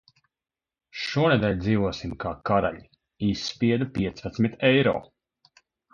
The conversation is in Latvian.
Šonedēļ dzīvosim kā karaļi, izspiedu piecpadsmit eiro.